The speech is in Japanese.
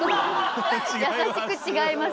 優しく「違います」。